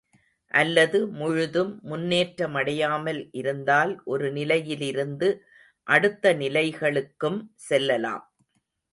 அல்லது முழுதும் முன்னேற்றமடையாமல் இருந்தால் ஒரு நிலையிலிருந்து அடுத்த நிலைகளுக்கும் செல்லலாம்.